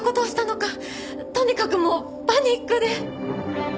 とにかくもうパニックで。